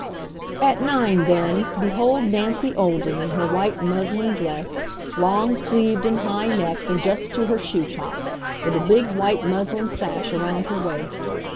At nine, then, behold Nancy Olden in her white muslin dress, long sleeved and high necked, and just to her shoe tops, with a big white muslin sash around her waist.